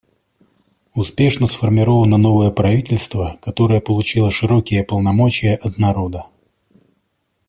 Успешно сформировано новое правительство, которое получило широкие полномочия от народа.